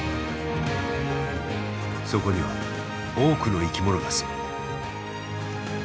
そこには多くの生き物が住む。